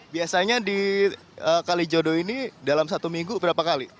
biasanya di kalijodo ini dalam satu minggu berapa kali